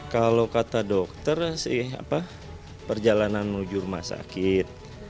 kalau kata dokter sih perjalanan menuju rumah sakit